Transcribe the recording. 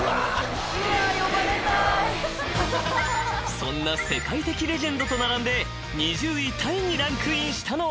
［そんな世界的レジェンドと並んで２０位タイにランクインしたのは］